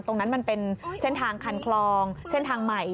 ตรงนั้นมันเป็นเส้นทางคันคลองเส้นทางใหม่